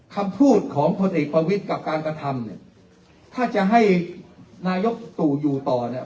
คำพูดของพลเอกประวิทย์กับการกระทำเนี่ยถ้าจะให้นายกตู่อยู่ต่อเนี่ย